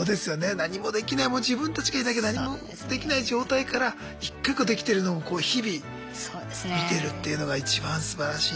何もできないもう自分たちがいなきゃ何もできない状態から一個一個できてるのをこう日々見てるっていうのが一番すばらしい。